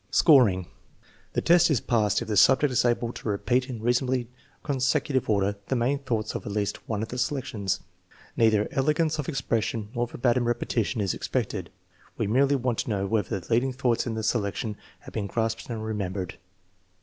Scoring. The test is passed if the subject is able to re peat in reasonably consecutive order the main thoughts of at least one of the selections. Neither elegance of expression nor verbatim repetition is expected. We merely want to know whether the leading thoughts in the selection have been grasped and remembered.